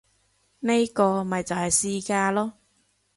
呢個咪就係市價囉